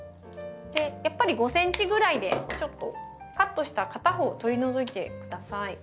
やっぱり５ｃｍぐらいでちょっとカットした片方取り除いて下さい。